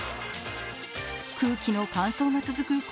空気の乾燥が続く